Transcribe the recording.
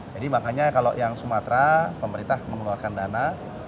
jadi makanya kalau yang sumatera pemerintah mengeluarkan dana